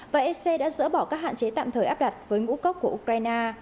và ec đã dỡ bỏ các hạn chế tạm thời áp đặt với ngũ cốc của ukraine